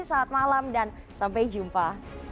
selamat malam dan sampai jumpa